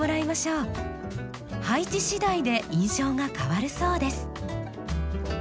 配置しだいで印象が変わるそうです。